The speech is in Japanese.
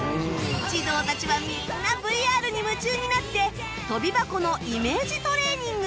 児童たちはみんな ＶＲ に夢中になって跳び箱のイメージトレーニング